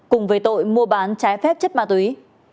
cùng về tội mua bán trái phép chất ma túy